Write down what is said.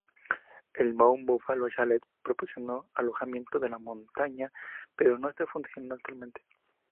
El Mount Buffalo Chalet proporcionó alojamiento en la montaña, pero no está funcionando actualmente.